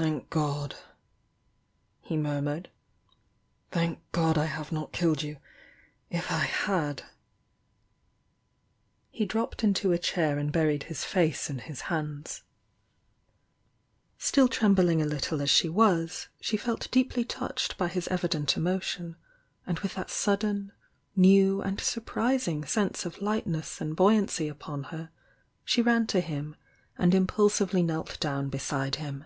"Thank God!" he murmured— "thank God I have not killed you! If I had !" He dropped into a chair and buried his face in his hands. n 178 THE YOUNG DIANA hll in Still trembling a little as she was, she felt deeply touched by bis evident emotion, and with that sud den, new and surprising sense of lightness and buoy ancy upon her she ran to him and impulsively knelt down beside him.